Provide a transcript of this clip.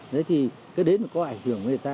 đấy thì cái đấy là có ảnh hưởng người ta